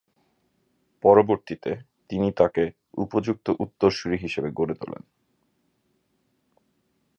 পরবর্তীতে তিনি তাঁকে উপযুক্ত উত্তরসূরি হিসাবে গড়ে তোলেন।